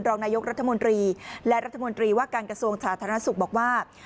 รองนายกรัฐมนตรีและรัฐมนตรีว่าการกระทรวงสาธารณสุขบอกว่า